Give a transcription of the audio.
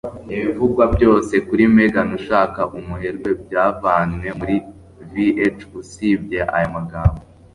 Ibivugwa byose kuri Megan Ushaka Umuherwe byavanywe muri VH, usibye aya magambo.